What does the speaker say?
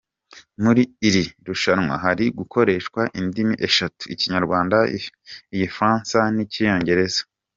Muri iri rushanwa hari gukoreshwa indimi eshatu; Ikinyarwanda, Igifaransa n’icyongereza.